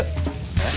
えっ？